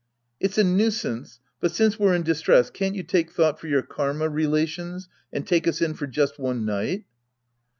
It's a nuisance, but since we're in distress, can't you take thought for your karma relations and take us in for just one night